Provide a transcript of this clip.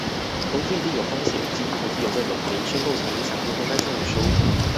投資一定有風險，基金投資有賺有賠，申購前應詳閱公開說明書。